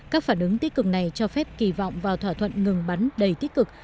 các phản ứng tích cực này cho phép kỳ vọng vào thỏa thuận ngừng bắn đầy tích cực